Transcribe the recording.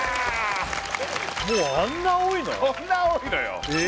もうこんな青いのよえ